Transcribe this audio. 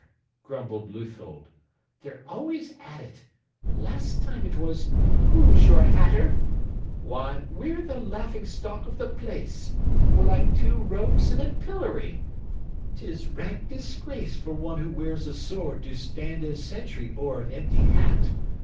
grumbled Leuthold; "they're always at it. Last time it was, 'Who's your hatter?' Why, we're the laughing stock of the place. We're like two rogues in a pillory. 'Tis rank disgrace for one who wears a sword to stand as sentry o'er an empty hat.